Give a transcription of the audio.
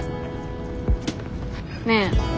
ねえ。